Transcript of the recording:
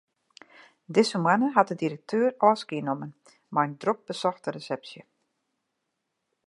Dizze moanne hat de direkteur ôfskie nommen mei in drok besochte resepsje.